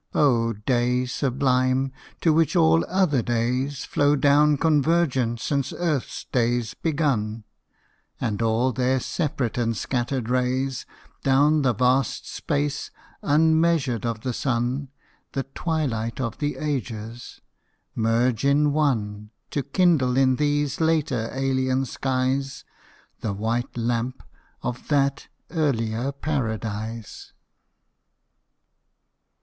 O day sublime to which all other days Flow down convergent since earth's days begun, And all their separate and scattered rays, Down the vast space, unmeasured of the sun — The twilight of the ages— merge in one, To kindle in these later alien skies The white lamp of that earlier paradise